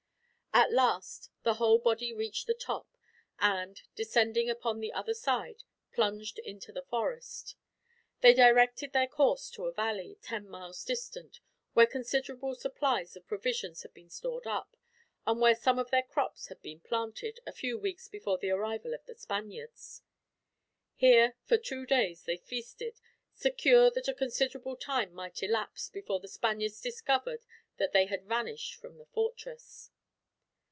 At last, the whole body reached the top and, descending upon the other side, plunged into the forest. They directed their course to a valley, ten miles distant, where considerable supplies of provisions had been stored up; and where some of their crops had been planted, a few weeks before the arrival of the Spaniards. Here for two days they feasted, secure that a considerable time might elapse, before the Spaniards discovered that they had vanished from the fortress.